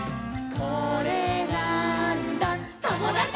「これなーんだ『ともだち！』」